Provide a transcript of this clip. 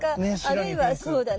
あるいはそうだね